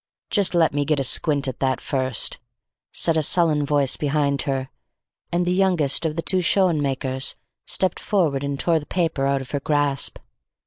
"Just let me get a squint at that first," said a sullen voice behind her; and the youngest of the two Schoenmakers stepped forward and tore the paper out of her grasp.